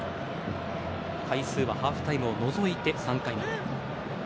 回数はハーフタイムを除いて３回まで。